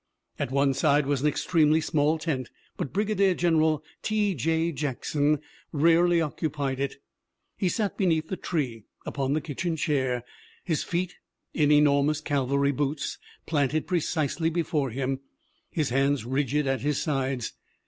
At one side was an extremely small tent, but Brigadier General T. J. Jackson rarely occupied it. He sat beneath the tree, upon the kitchen chair, his feet, in enormous cavalry boots, planted precisely before him, his hands rigid at his sides.